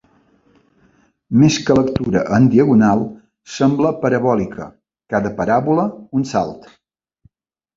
Més que lectura en diagonal sembla parabòlica, cada paràbola un salt.